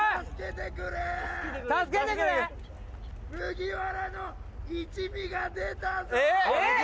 麦わらの一味が出た！